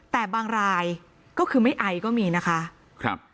แต่บางรายก็คือไม่ไอก็มีนะคะครับ